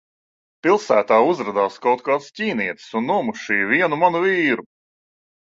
Pilsētā uzradās kaut kāds ķīnietis un nomušīja vienu manu vīru.